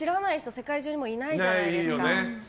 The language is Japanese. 世界中にもういないじゃないですか。